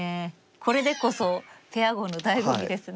これでこそペア碁のだいご味ですね。